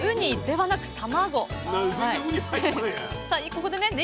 ここでね